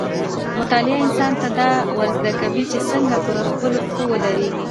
مطالعه انسان ته دا ورزده کوي چې څنګه په خپلو پښو ودرېږي.